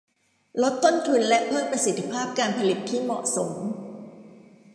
ลดต้นทุนและเพิ่มประสิทธิภาพการผลิตที่เหมาะสม